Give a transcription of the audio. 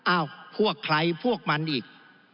อ้าวพวกใครพวกมันอีก